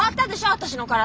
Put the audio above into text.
私の体。